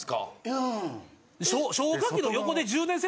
うん。